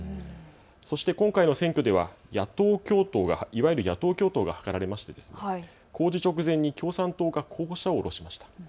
そして今回の選挙ではいわゆる野党共闘が図られ公示直前に共産党が候補者を降ろしました。